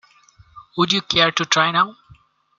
Would you care to try now?